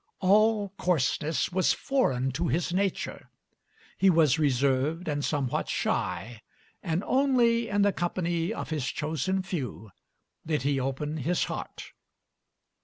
All coarseness was foreign to his nature; he was reserved and somewhat shy, and only in the company of his chosen few did he open his heart.